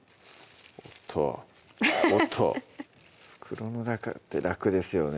おっとおっと袋の中って楽ですよね